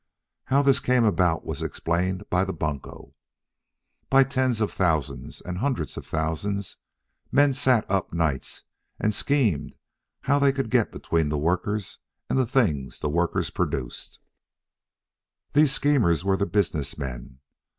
How this came about was explained by the bunco. By tens of thousands and hundreds of thousands men sat up nights and schemed how they could get between the workers and the things the workers produced. These schemers were the business men.